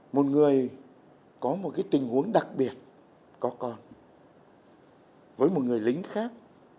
một người có một tình huống đặc biệt có con với một người lính khác